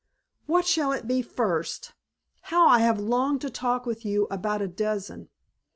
"What shall it be first? How I have longed to talk with you about a dozen.